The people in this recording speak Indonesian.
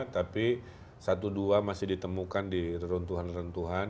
tapi satu dua masih ditemukan di runtuhan runtuhan